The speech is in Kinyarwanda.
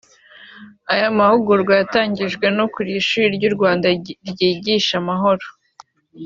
Aya mahugurwa yatangijwe n’ukuriye Ishuri ry’u Rwanda ryigisha amahoro